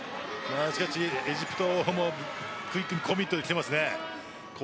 エジプトもクイックにコミットできています。